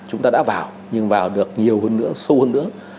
chúng ta đã vào nhưng vào được nhiều hơn nữa sâu hơn nữa